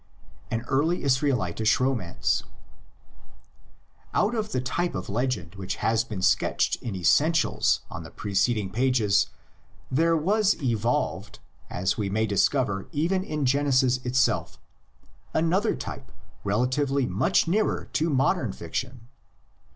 AN EARLY ISRAELITISH ROMANCE Out of the type of legend which has been sketched in essentials in the preceding pages there was evolved, as we may discover even in Genesis itself, another type relatively much nearer to modern fiction.